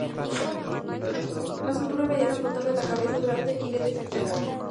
La sutura mediana frontal de la cabeza es grande y bien definida.